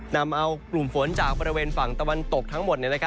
นำเอากลุ่มฝนจากบริเวณฝั่งตะวันตกทั้งหมด